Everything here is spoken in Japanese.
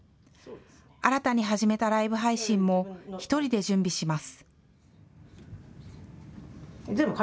新たに始めたライブ配信も、１人で準備します。